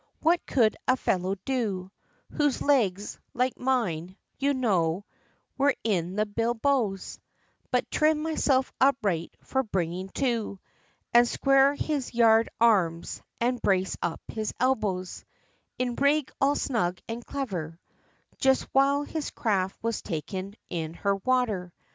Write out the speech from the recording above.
What could a fellow do, Whose legs, like mine, you know, we're in the bilboes, But trim myself upright for bringing to, And square his yard arms, and brace up his elbows, In rig all snug and clever, Just while his craft was taking in her water?